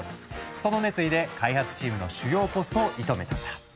その熱意で開発チームの主要ポストを射止めたんだ。